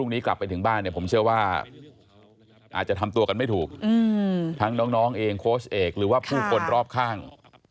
น้องเองโคสต์เอกหรือว่าผู้คนรอบข้าง